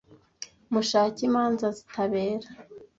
mushake imanza zitabera